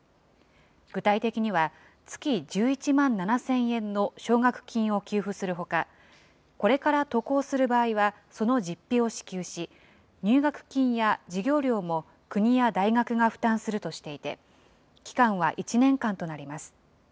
具体的には、月１１万７０００円の奨学金を給付するほか、これから渡航する場合はその実費を支給し、入学金や授業料も国や大学が負担するとしていて、期間は１年間となります。